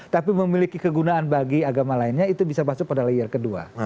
tapi memiliki kegunaan bagi agama lainnya itu bisa masuk pada layer kedua